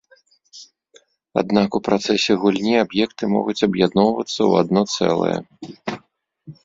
Аднак у працэсе гульні аб'екты могуць аб'ядноўвацца ў адно цэлае.